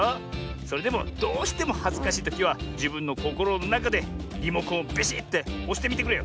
それでもどうしてもはずかしいときはじぶんのこころのなかでリモコンをビシッておしてみてくれよ。